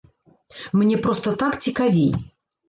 Мне проста так цікавей.